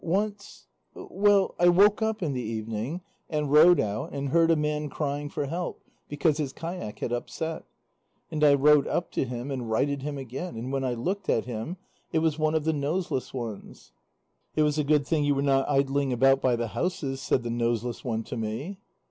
Once ... well, I woke up in the evening, and rowed out, and heard a man crying for help, because his kayak had upset. And I rowed up to him and righted him again, and when I looked at him, it was one of the Noseless Ones." "'It was a good thing you were not idling about by the houses,' said the Noseless One to me.